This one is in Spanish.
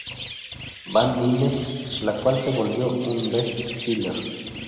Van Dine, la cual se volvió un best-seller.